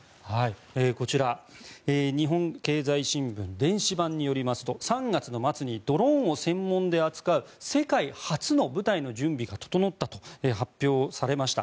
こちら日本経済新聞電子版によりますと３月末にドローンを専門で扱う世界初の部隊の準備が整ったと発表されました。